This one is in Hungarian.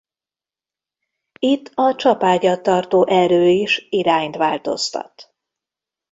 Itt a csapágyat tartó erő is irányt változtat.